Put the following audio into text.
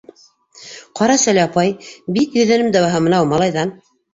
— Ҡарасәле, апай, бик йөҙәнем дә баһа бынау малайҙан.